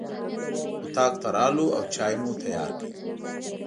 اطاق ته راغلو او چای مو تیار کړ.